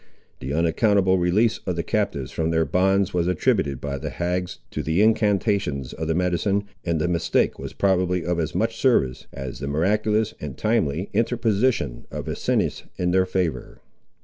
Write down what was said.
The unaccountable release of the captives from their bonds was attributed, by the hags, to the incantations of the medicine; and the mistake was probably of as much service, as the miraculous and timely interposition of Asinus in their favour.